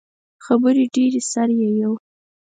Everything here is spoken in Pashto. خبرې ډیرې، سر یی یو